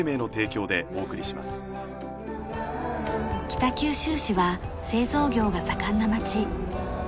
北九州市は製造業が盛んな街。